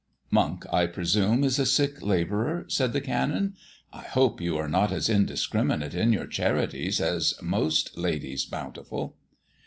"Monk, I presume, is a sick labourer?" said the Canon. "I hope you are not as indiscriminate in your charities as most Ladies Bountiful."